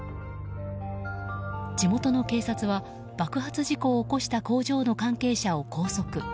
地元の警察は爆発事故を起こした工場の関係者を拘束。